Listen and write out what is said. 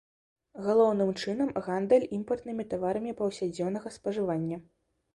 Галоўным чынам гандаль імпартнымі таварамі паўсядзённага спажывання.